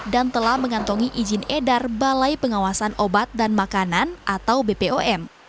dan telah mengantongi izin edar balai pengawasan obat dan makanan atau bpom